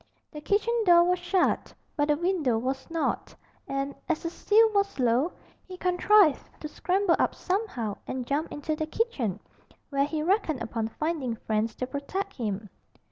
The kitchen door was shut, but the window was not, and, as the sill was low, he contrived to scramble up somehow and jump into the kitchen, where he reckoned upon finding friends to protect him.